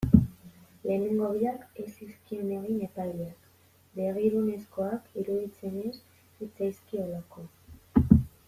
Lehenengo biak ez zizkion egin epaileak, begirunezkoak iruditzen ez zitzaizkiolako.